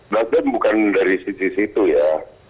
nasdem bukan dari sisi situ ya